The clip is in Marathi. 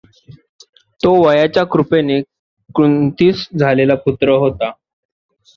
तो वायूच्या कृपेने कुंतीस झालेला पुत्र होता.